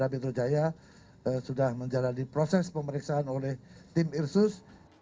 polra betul jaya sudah menjelani proses pemeriksaan oleh tim irsus